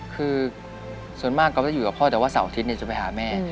คือส่วนมากก็จะอยู่กับพ่อแต่ว่าเสาร์อาทิตย์จะไปหาแม่